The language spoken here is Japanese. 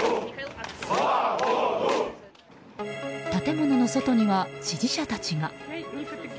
建物の外には支持者たちが。